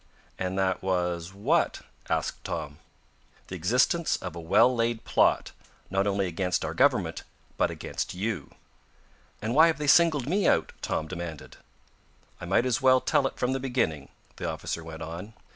"And that was what?" asked Tom. "The existence of a well laid plot, not only against our government, but against you!" "And why have they singled me out?" Tom demanded. "I might as well tell it from the beginning," the officer went on.